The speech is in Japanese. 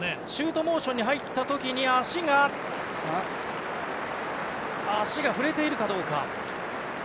シュートモーションに入った時足が触れているかどうか。